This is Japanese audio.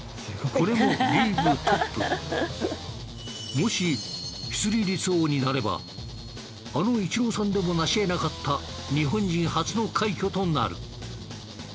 もし出塁率王になればあのイチローさんでも成しえなかった日本人初の快挙となる。